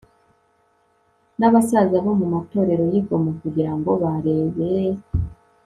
n abasaza bo mu matorero y i Goma kugira ngo barebere